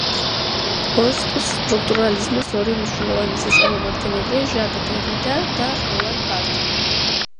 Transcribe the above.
პოსტსტრუქტურალიზმის ორი უმნიშვნელოვანესი წარმომადგენელია ჟაკ დერიდა და როლან ბარტი.